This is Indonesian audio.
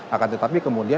akan tetapi kemudian